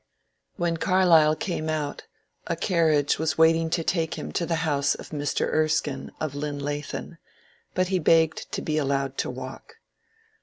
When Carlyle came out, a carriage was waiting to take him to the house of Mr. Erskine of Llinlathen, but he begged to be allowed to walk.